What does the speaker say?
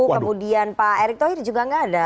kemudian pak erick thohir juga nggak ada